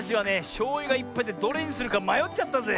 しょうゆがいっぱいでどれにするかまよっちゃったぜ。